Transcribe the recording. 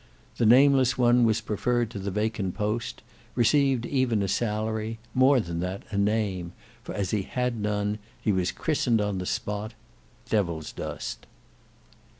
The nameless one was prefered to the vacant post, received even a salary, more than that, a name; for as he had none, he was christened on the spot—DEVILSDUST.